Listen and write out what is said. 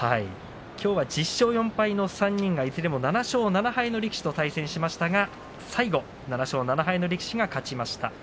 きょうは１０勝４敗の３人がいずれも７勝７敗の力士と対戦しましたが最後、７勝７敗の力士が勝ちました。